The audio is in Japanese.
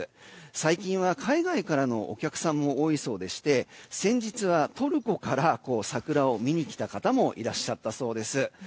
最近は海外からのお客さんも多いそうでして先日はトルコから桜を見に来た方もいらっしゃったそうです。